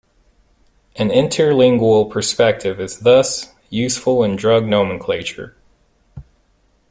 An interlingual perspective is thus useful in drug nomenclature.